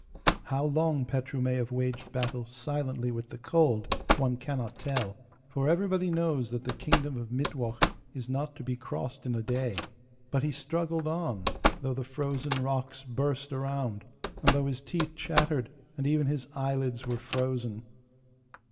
How long Petru may have waged battle silently with the cold one cannot tell, for everybody knows that the kingdom of Mittwoch is not to be crossed in a day, but he struggled on, though the frozen rocks burst around, and though his teeth chattered, and even his eyelids were frozen.